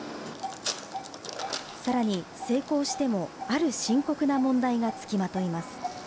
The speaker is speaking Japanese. さらに成功しても、ある深刻な問題がつきまといます。